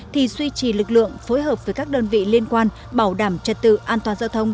thì duy trì lực lượng phối hợp với các đơn vị liên quan bảo đảm trật tự an toàn giao thông